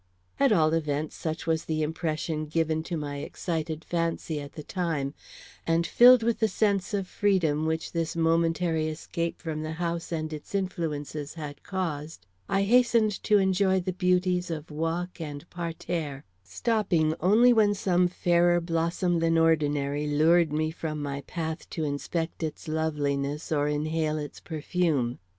At all events such was the impression given to my excited fancy at the time, and, filled with the sense of freedom which this momentary escape from the house and its influences had caused, I hastened to enjoy the beauties of walk and parterre, stopping only when some fairer blossom than ordinary lured me from my path to inspect its loveliness or inhale its perfume.